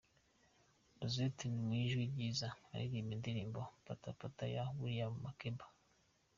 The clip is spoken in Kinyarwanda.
Rosette mu ijwi ryiza aririmba indirimbo"Pata pata" ya William Makeba.